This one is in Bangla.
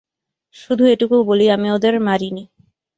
শুধু এটুকু বলি, আমি ওদের মারিনি।